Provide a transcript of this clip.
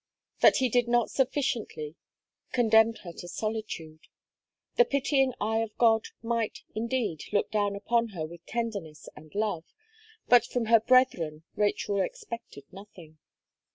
That he did not sufficiently, condemned her to solitude. The pitying eye of God might, indeed, look down upon her with tenderness and love, but from her brethren Rachel expected nothing.